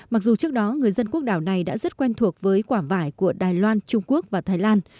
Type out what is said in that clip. mặc dù trước đó người dân quốc đảo này đã rất quen thuộc với quả vải của đài loan trung quốc và thái lan